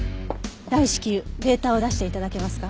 大至急データを出して頂けますか？